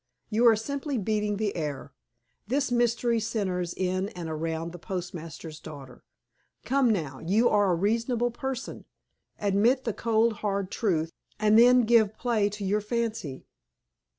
You are simply beating the air. This mystery centers in and around the postmaster's daughter. Come, now, you are a reasonable person. Admit the cold, hard truth, and then give play to your fancy."